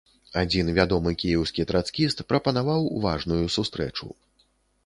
Адзін вядомы кіеўскі трацкіст прапанаваў важную сустрэчу.